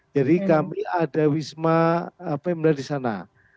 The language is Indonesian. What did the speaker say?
jadi kami ada wisma pm dari sana